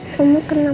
biar ayah kuncang